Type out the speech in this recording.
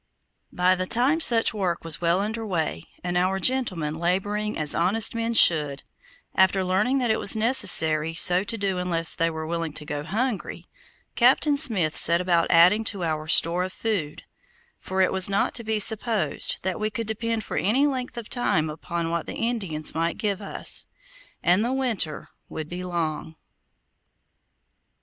By the time such work was well under way, and our gentlemen laboring as honest men should, after learning that it was necessary so to do unless they were willing to go hungry, Captain Smith set about adding to our store of food, for it was not to be supposed that we could depend for any length of time upon what the Indians might give us, and the winter would be long.